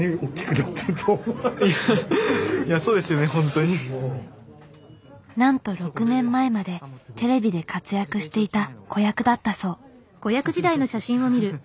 なんと６年前までテレビで活躍していた子役だったそう。